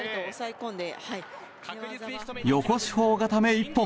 横四方固め一本。